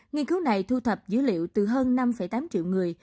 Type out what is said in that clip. nghiên cứu này thu thập dữ liệu từ hơn năm tám triệu người